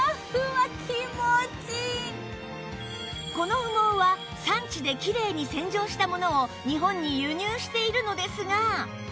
この羽毛は産地できれいに洗浄したものを日本に輸入しているのですが